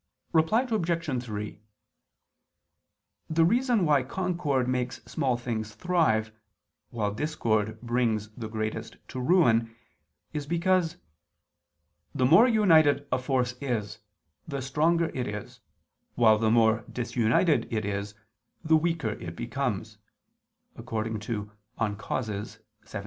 Reply Obj. 3: The reason why concord makes small things thrive, while discord brings the greatest to ruin, is because "the more united a force is, the stronger it is, while the more disunited it is the weaker it becomes" (De Causis xvii).